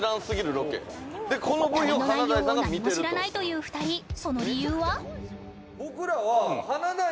旅の内容を何も知らないという２人その理由は？